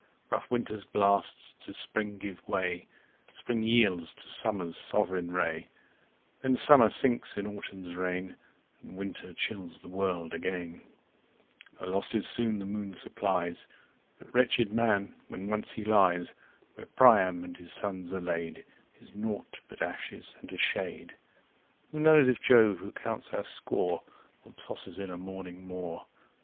Rough Winter's blasts to Spring give way, Spring yields to Summer's sovereign ray; 10 Then Summer sinks in Autumn's reign, And Winter chills the world again: Her losses soon the moon supplies, But wretched man, when once he lies Where Priam and his sons are laid, Is nought but ashes, and a shade. Who knows if Jove, who counts our score, Will toss us in a morning more?